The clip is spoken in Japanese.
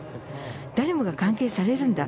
誰もが歓迎されるんだ。